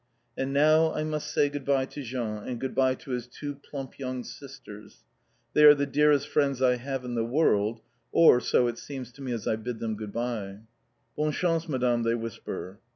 And now I must say good bye to Jean, and good bye to his two plump young sisters. They are the dearest friends I have in the world or so it seems to me as I bid them good bye. "Bonne chance, Madam!" they whisper.